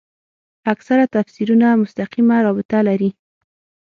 اکثره تفسیرونه مستقیمه رابطه لري.